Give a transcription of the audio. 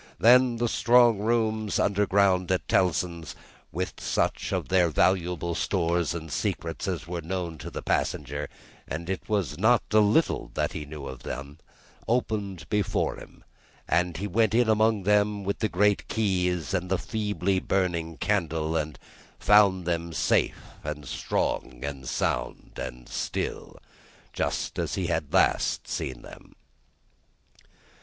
Then the strong rooms underground, at Tellson's, with such of their valuable stores and secrets as were known to the passenger (and it was not a little that he knew about them), opened before him, and he went in among them with the great keys and the feebly burning candle, and found them safe, and strong, and sound, and still, just as he had last seen them.